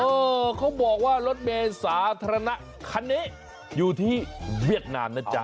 เขาบอกว่ารถเมย์สาธารณะคันนี้อยู่ที่เวียดนามนะจ๊ะ